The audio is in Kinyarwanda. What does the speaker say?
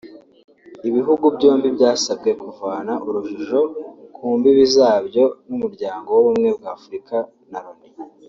Ibihugu byombi byasabwe kuvana urujijo ku mbibi zabyo n’Umuryango w’Ubumwe bwa Afurika na Loni